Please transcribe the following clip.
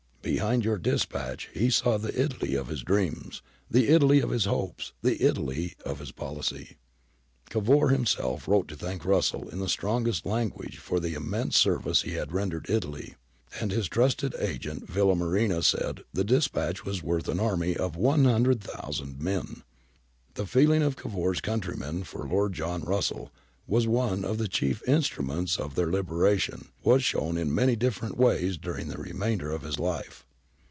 Behind your dispatch he saw the Italy of his dreams, the Italy of his hopes, the Italy of his policy.' Cavour himself wrote to thank Russell in the strongest language for ' the immense service he had rendered Italy,' and his trusted agent Villamarina said the dispatch was worth an army of 100,000 men.^ The feeling of Cavour's countrymen for Lord John Russell, as one of the chief instruments in their libera tion, was shown in many different ways during the re mainder of his life.